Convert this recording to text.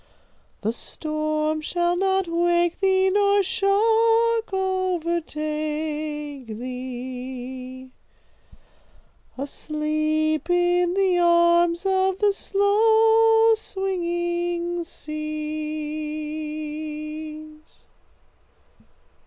The storm shall not wake thee, nor shark overtake thee, Asleep in the arms of the slow swinging seas.'"